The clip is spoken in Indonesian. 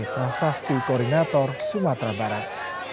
prasasti koordinator sumatera barat